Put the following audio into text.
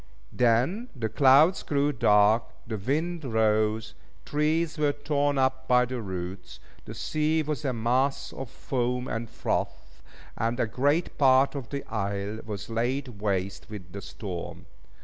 Then the clouds grew dark, the wind rose, trees were torn up by the roots, the sea was a mass of foam and froth, and a great part of the isle was laid waste with the storm.